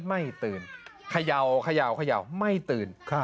ไม่ตื่นขยาวขยาวขยาวไม่ตื่น